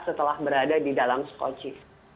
setelah berada di dalam skoci